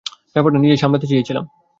ব্যাপারটা নিজেই সামলাতে চেয়েছিলাম।